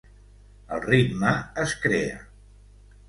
El ritme es crea: